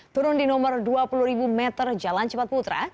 turun di nomor dua puluh meter jalan cepat putra